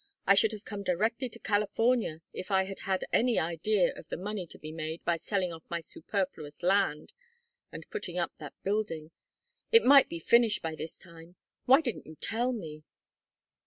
I should have come directly to California if I had had any idea of the money to be made by selling off my superfluous land and putting up that building. It might be finished, by this time. Why didn't you tell me?"